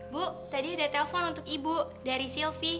bu tadi ada telepon untuk ibu dari sylvie